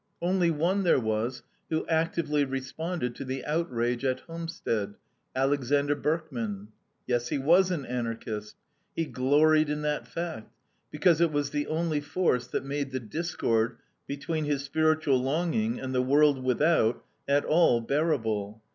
Only one there was who actively responded to the outrage at Homestead, Alexander Berkman. Yes, he was an Anarchist. He gloried in that fact, because it was the only force that made the discord between his spiritual longing and the world without at all bearable.